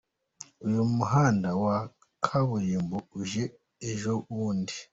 Uyu muhanda wa kaburimbo uje ejo bundi.